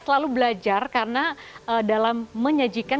selalu belajar karena dalam menyajikan